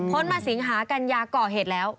มาสิงหากัญญาก่อเหตุแล้ว